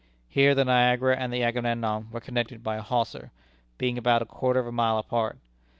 Here the Niagara and the Agamemnon were connected by a hawser, being about a quarter of a mile apart.